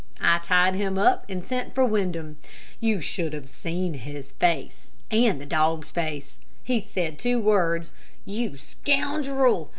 I tied him up and sent for Windham. You should have seen his face, and the dog's face. He said two words, 'You scoundrel!'